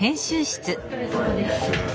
お疲れさまです。